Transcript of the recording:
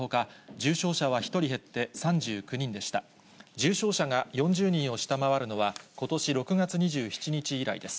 重症者が４０人を下回るのは、ことし６月２７日以来です。